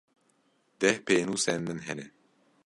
Deh pênûsên min hene.